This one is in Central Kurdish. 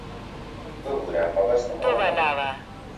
ببوورە، مەبەستم ئەوە نەبوو.